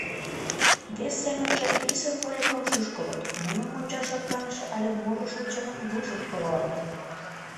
Вес семынже: исыр вольыкым шӱшкылыт, муным мунчаш ӧрканыше але мурышо чывын вуйжым руалыт...